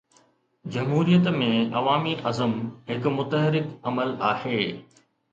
جمهوريت ۾ عوامي عزم هڪ متحرڪ عمل آهي.